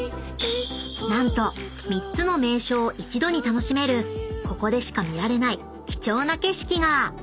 ［何と３つの名所を１度に楽しめるここでしか見られない貴重な景色が］